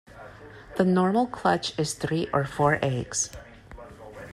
The normal clutch is three or four eggs.